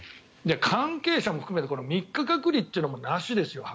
関係者も含めて３日隔離っていうのもなしですよ。